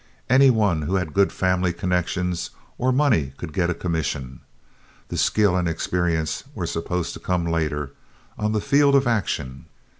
Any one who had good family connections or money could get a commission. The skill and experience were supposed to come later, on the field of action.